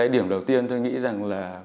điểm đầu tiên tôi nghĩ rằng là